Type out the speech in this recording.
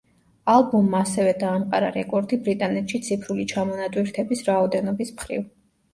ალბომმა ასევე დაამყარა რეკორდი ბრიტანეთში ციფრული ჩამონატვირთების რაოდენობის მხრივ.